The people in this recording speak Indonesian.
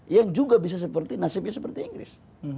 yang juga bisa seperti nasibnya seperti inggris